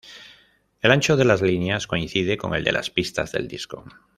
El ancho de las líneas coincide con el de las pistas del disco.